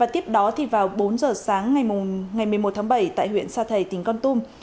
tiếp đó vào bốn giờ sáng ngày một mươi một tháng bảy tại huyện sa thầy tỉnh con tum